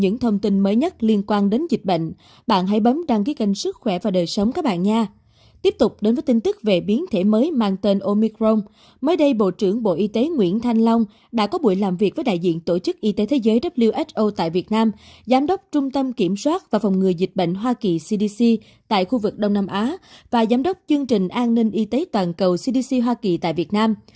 chương trình an ninh y tế toàn cầu cdc hoa kỳ tại việt nam